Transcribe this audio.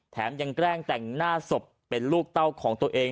แถมยังแกล้งแต่งหน้าศพเป็นลูกเต้าของตัวเอง